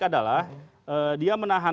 adalah dia menahan